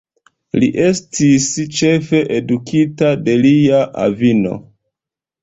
Li estis ĉefe edukita de lia avino.